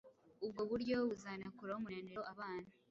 Ubwo buryo buzanakuraho umunaniro abana